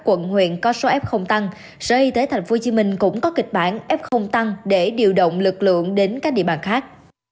dịch bệnh có số f tăng sở y tế tp hcm cũng có kịch bản f tăng để điều động lực lượng đến các địa bàn khác